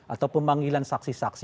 atau pemanggilan saksi saksi